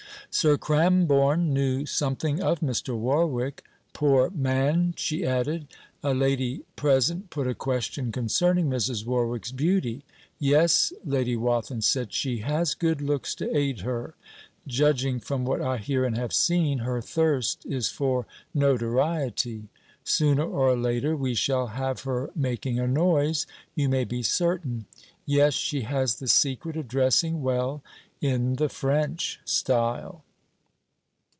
Sir Cramborne knew something of Mr. Warwick; 'Poor man!' she added. A lady present put a question concerning Mrs. Warwick's beauty. 'Yes,' Lady Wathin said, 'she has good looks to aid her. Judging from what I hear and have seen, her thirst is for notoriety. Sooner or later we shall have her making a noise, you may be certain. Yes, she has the secret of dressing well in the French style.'